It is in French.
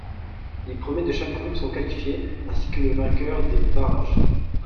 Les premiers de chaque groupe sont qualifiés, ainsi que le vainqueur des barrages.